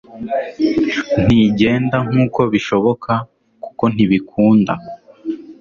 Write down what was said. ntigenda nkuko bishoboka kuko ntibikunda